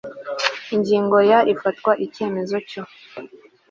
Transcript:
Ingingo ya Ifatwa ry icyemezo cyo